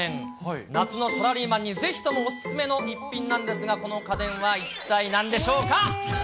夏のサラリーマンにぜひともお勧めの一品なんですが、この家電は一体なんでしょうか。